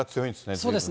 そうですね。